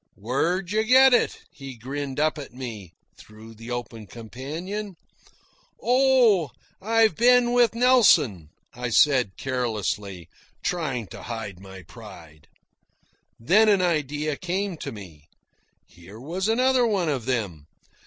"Where'd you get it?" he grinned up at me through the open companion. "Oh, I've been with Nelson," I said carelessly, trying to hide my pride. Then an idea came to me. Here was another one of them.